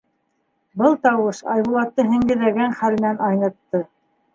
Был тауыш Айбулатты һеңгәҙәгән хәленән айнытты.